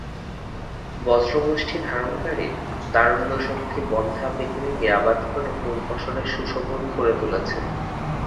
বজ্রমুষ্ঠি ধারণকারী তারুণ্যশক্তি বন্ধ্যা পৃথিবীকে আবাদ করে ফুল-ফসলে সুশোভন করে তুলেছে।